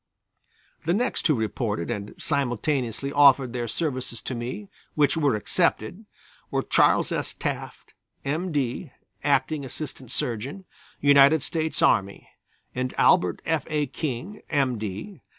The next who reported and simultaneously offered their services to me, which were accepted, were Charles S. Taft, M. D., Acting Assistant Surgeon, United States Army, and Albert F. A. King, M. D.